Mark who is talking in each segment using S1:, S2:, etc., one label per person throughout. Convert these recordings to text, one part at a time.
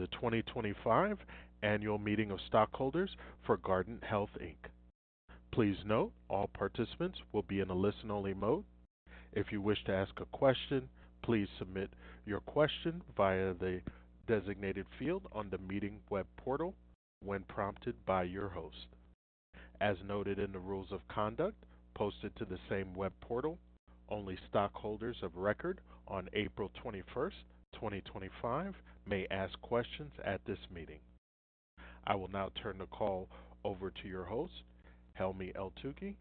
S1: The 2025 annual meeting of stockholders for Guardant Health. Please note all participants will be in a listen only mode. If you wish to ask a question, please submit your question via the designated field on the meeting web portal when prompted by your host. As noted in the rules of conduct posted to the same web portal, only stockholders of record on April 21, 2025 may ask questions at this meeting. I will now turn the call over to your host, Helmy Eltoukhy.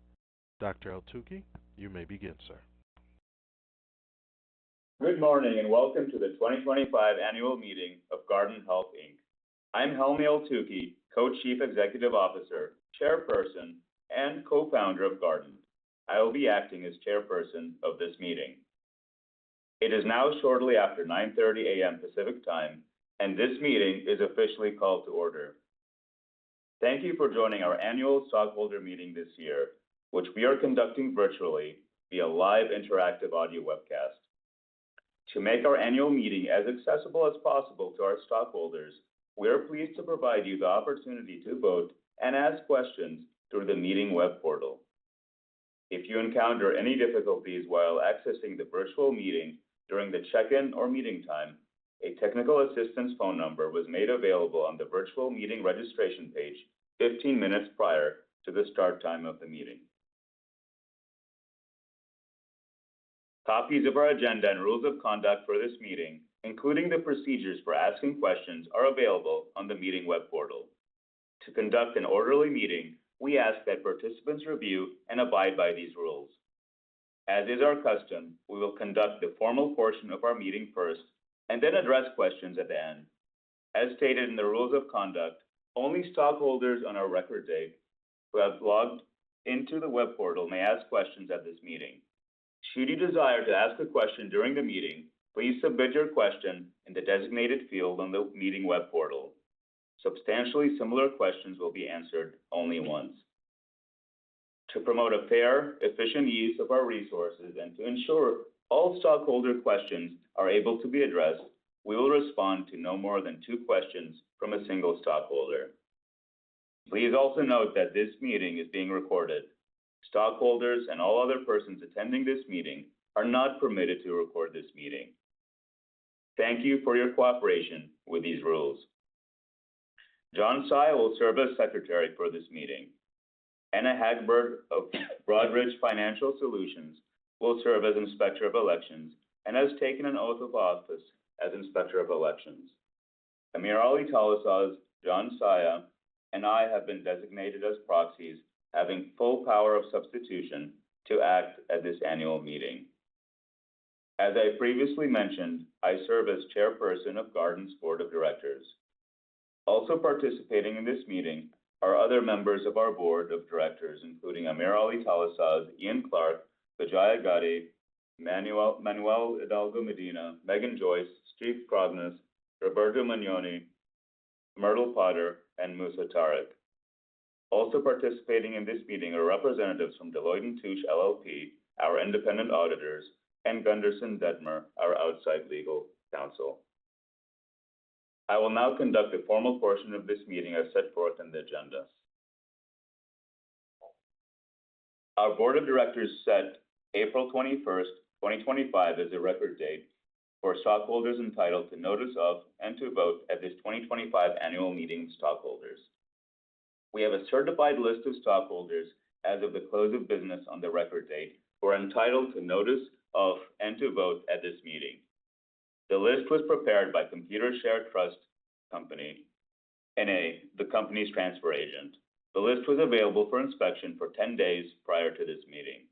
S1: Dr. Eltoukhy, you may begin.
S2: Sir. Good morning and welcome to the 2025 Annual Meeting of Guardant Health. I'm Helmy Eltoukhy, Co-Chief Executive Officer, Chairperson and Co-Founder of Guardant. I will be acting as Chairperson of this meeting. It is now shortly after 9:30 A.M. Pacific Time and this meeting is officially called to order. Thank you for joining our annual stockholder meeting this year, which we are conducting virtually via live interactive audio webcast to make our annual meeting as accessible as possible to our stockholders. We are pleased to provide you the opportunity to vote and ask questions through the meeting web portal. If you encounter any difficulties while accessing the virtual meeting during the check-in or meeting time, a technical assistance phone number was made available on the virtual meeting registration page 15 minutes prior to the start time of the meeting. Copies of our agenda and rules of conduct for this meeting, including the procedures for asking questions, are available on the meeting web portal. To conduct an orderly meeting, we ask that participants review and abide by these rules. As is our custom, we will conduct the formal portion of our meeting first and then address questions at the end. As stated in the rules of conduct, only stockholders on our record day who have logged into the web portal may ask questions at this meeting. Should you desire to ask a question during the meeting, please submit your question in the designated field on the meeting web portal. Substantially similar questions will be answered only once. To promote a fair, efficient use of our resources and to ensure all stockholder questions are able to be addressed, we will respond to no more than two questions from a single stockholder. Please also note that this meeting is being recorded. Stockholders and all other persons attending this meeting are not permitted to record this meeting. Thank you for your cooperation with these rules. John Tsai will serve as Secretary for this meeting. Anna Hagberg of Broadridge Financial Solutions will serve as Inspector of Elections and has taken an oath of office as Inspector of Elections. AmirAli Talasaz, John Saya and I have been designated as proxies having full power of substitution to act at this annual meeting. As I previously mentioned, I serve as Chairperson of Guardant's Board of Directors. Also participating in this meeting are other members of our Board of Directors, including AmirAli Talasaz, Ian Clark, Vijaya Gotti, Manuel Hidalgo Medina, Megan Joyce, Steve Krognos, Roberto Mignone, Myrtle Potter, and Musa Tariq. Also participating in this meeting are representatives from Deloitte & Touche LLP, our independent auditors, and Gunderson Dettmer, our outside legal counsel. I will now conduct the formal portion of this meeting as set forth in the agenda. Our Board of Directors set April 21, 2025 as a record date for stockholders entitled to notice of and to vote at this 2025 annual meeting of stockholders. We have a certified list of stockholders as of the close of business on the record date who are entitled to notice of and to vote at this meeting. The list was prepared by Computershare Trust Company, N.A., the company's transfer agent. The list was available for inspection for 10 days prior to this meeting.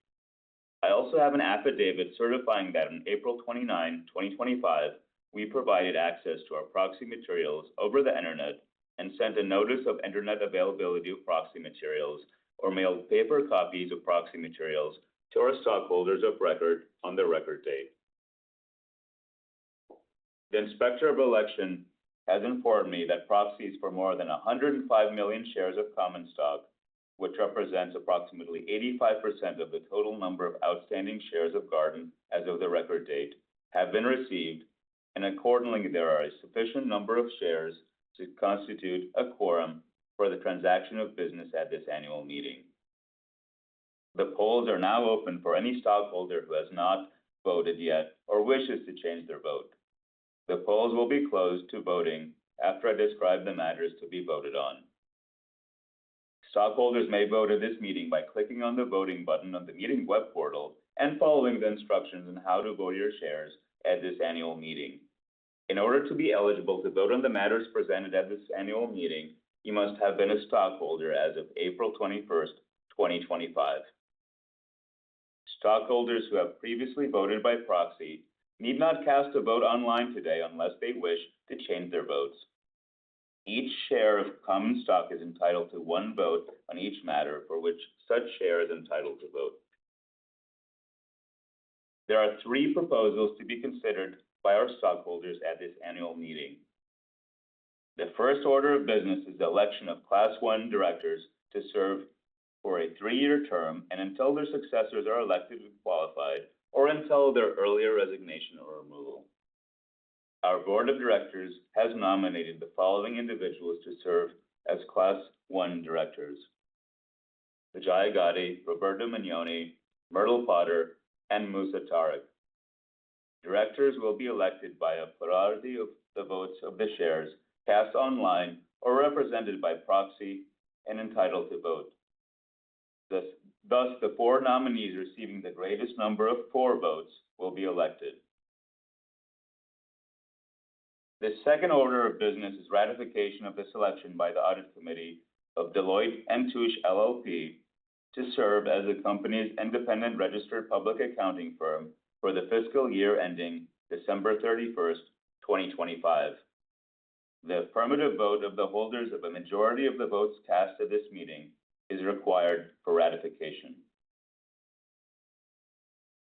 S2: I also have an affidavit certifying that on April 29, 2025, we provided access to our proxy materials over the Internet and sent a notice of Internet availability of proxy materials or mailed paper copies of proxy materials to our stockholders of record on the record date. The Inspector of Election has informed me that proxies for more than 105 million shares of common stock, which represents approximately 85% of the total number of outstanding shares of Guardant as of the record date, have been received and accordingly, there are a sufficient number of shares to constitute a quorum for the transaction of business at this annual meeting. The polls are now open for any stockholder who has not voted yet or wishes to change their vote. The polls will be closed to voting after I describe the matters to be voted on. Stockholders may vote at this meeting by clicking on the voting button on the meeting web portal and following the instructions on how to vote your shares at this annual meeting. In order to be eligible to vote on the matters presented at this annual meeting, you must have been a stockholder as of April 21, 2025. Stockholders who have previously voted by proxy need not cast a vote online today unless they wish to change their votes. Each share of common stock is entitled to one vote on each matter for which such share is entitled to vote. There are 3 proposals to be considered by our stockholders at this annual meeting. The first order of business is the election of Class 1 directors to serve for a three-year term and until their successors are elected, qualified, or until their earlier resignation or removal. Our Board of Directors has nominated the following individuals to serve as Class 1 directors. Vijaya Gotti, Roberto Mignone, Myrtle Potter, and Musa Tariq. Directors will be elected by a plurality of the votes of the shares cast online or represented by proxy and entitled to vote. Thus, the four nominees receiving the greatest number of votes will be elected. The second order of business is ratification of the selection by the Audit Committee of Deloitte & Touche LLP to serve as the Company's independent registered public accounting firm for the fiscal year ending December 31, 2025. The affirmative vote of the holders of a majority of the votes cast at this meeting is required for ratification.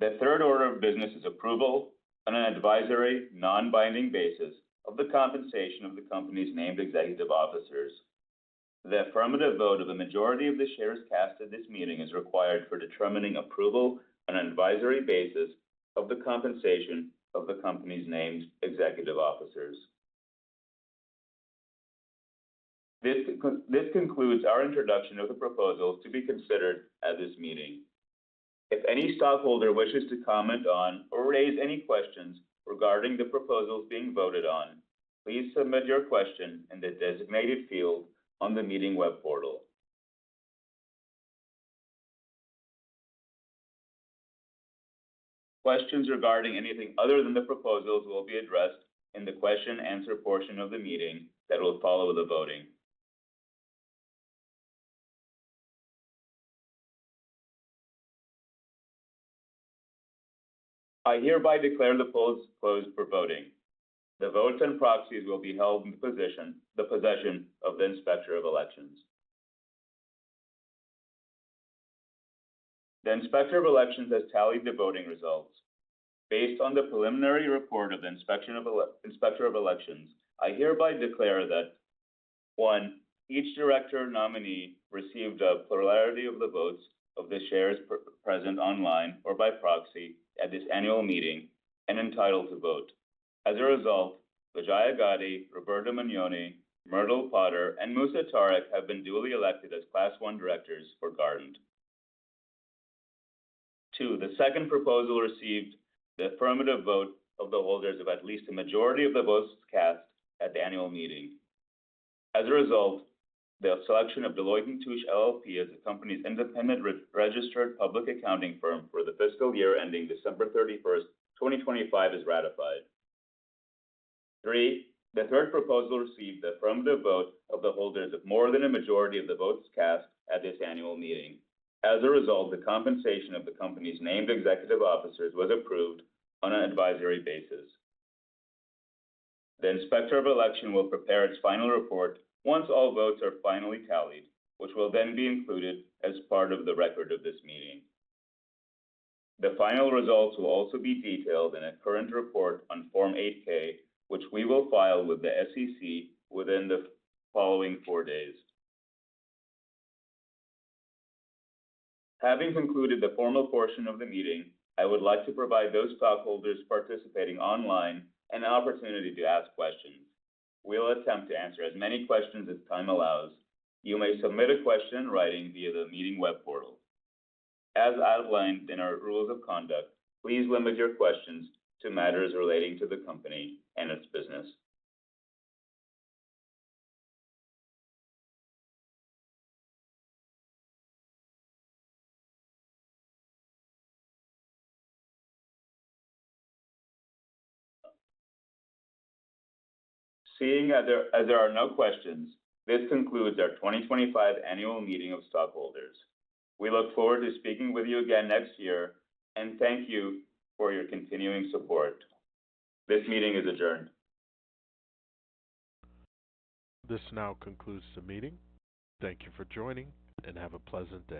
S2: The third order of business is approval on an advisory, non-binding basis of the compensation of the Company's named executive officers. The affirmative vote of the majority of the shares cast at this meeting is required for determining approval on an advisory basis of the compensation of the Company's named executive officers. This concludes our introduction of the proposal to be considered at this meeting. If any stockholder wishes to comment on or raise any questions regarding the proposals being voted on, please submit your question in the designated field on the meeting web portal. Questions regarding anything other than the proposals will be addressed in the question and answer portion of the meeting that will follow the voting. I hereby declare the polls closed for voting. The votes and proxies will be held in the possession of the Inspector of Elections. The Inspector of Elections has tallied the voting results based on the preliminary report of the Inspector of Elections. I hereby declare that each Director nominee received a plurality of the votes of the shares present online or by proxy at this annual meeting and entitled to vote. As a result, Vijaya Gotti, Roberto Mignone, Myrtle Potter, and Musa Tariq have been duly elected as Class 1 directors for Guardant. 2. The second proposal received the affirmative vote of the holders of at least a majority of the votes cast at the annual meeting. As a result, the selection of Deloitte & Touche LLP as the Company's independent registered public accounting firm for the fiscal year ending December 31, 2025 is ratified. 3. The third proposal received the affirmative vote of the holders of more than a majority of the votes cast at this annual meeting. As a result, the compensation of the Company's named executive officers was approved on an advisory basis. The Inspector of Election will prepare its final report once all votes are finally tallied, which will then be included as part of the record of this meeting. The final results will also be detailed in a current report on Form 8K, which we will file with the SEC within the following four days. Having concluded the formal portion of the meeting, I would like to provide those stockholders participating online an opportunity to ask questions. We will attempt to answer as many questions as time allows. You may submit a question in writing via the Meeting Web portal as outlined in our Rules of Conduct. Please limit your questions to matters relating to the company and its business, seeing as there are no questions. This concludes our 2025 Annual Meeting of Stockholders. We look forward to speaking with you again next year and thank you for your continuing support. This meeting is adjourned.
S1: This now concludes the meeting. Thank you for joining and have a pleasant day.